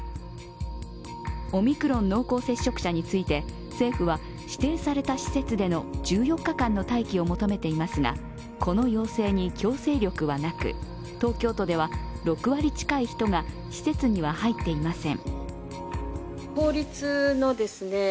オミクロン濃厚接触者について政府は、指定された施設での１４日間の待機を求めていますが、この要請に強制力はなく、東京都では、６割近い人が施設には入っていません。